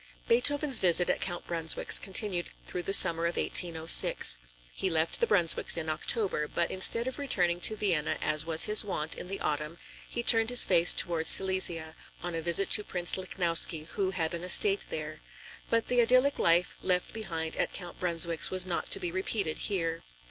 Beethoven's visit at Count Brunswick's continued throughout the summer of 1806. He left the Brunswicks in October, but instead of returning to Vienna as was his wont in the autumn, he turned his face toward Silesia, on a visit to Prince Lichnowsky who had an estate there. But the idyllic life left behind at Count Brunswick's was not to be repeated here.